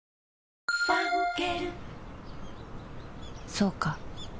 そうか